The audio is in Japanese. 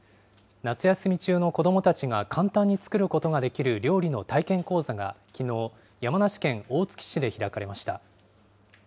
夏休み中の子どもたちが、簡単に作ることができる料理の体験講座がきのう、山梨県大月市で開かれました。